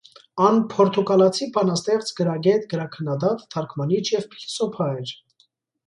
Ան փորթուկալացի բանաստեղծ , գրագէտ, գրաքննադատ, թարգմանիչ եւ փիլիսոփա էր։